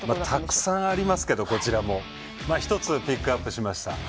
たくさんありますけど１つ、ピックアップしました。